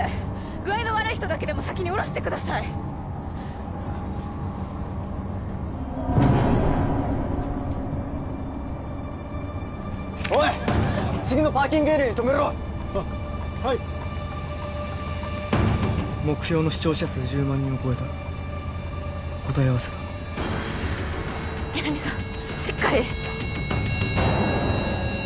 具合の悪い人だけでも先に降ろしてくださいおい次のパーキングエリアに止めろははい目標の視聴者数１０万人を超えた答え合わせだ皆実さん